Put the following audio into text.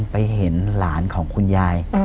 ไปเห็นหลานของคุณยาย